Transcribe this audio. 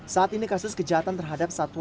saat ini kasus kejahatan terhadap satwa